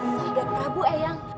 sabda prabu eyang